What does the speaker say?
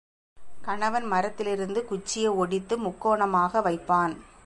கணவன் மரத்திலிருந்து குச்சியை ஒடித்து முக்கோணமாக வைப்பான்.